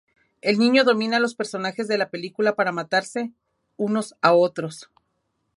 El niño domina los personajes de la película para matarse unos a otros.